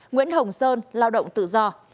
nguyễn hồng sơn lao động tự do